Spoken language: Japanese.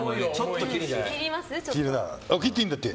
切っていいんだっけ？